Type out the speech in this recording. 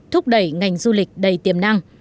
thúc đẩy ngành du lịch đầy tiềm năng